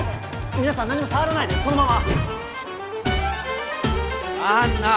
皆さん何も触らないでそのままアンナ！